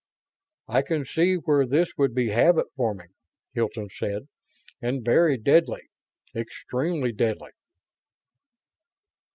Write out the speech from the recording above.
"I can see where this would be habit forming," Hilton said, "and very deadly. Extremely deadly."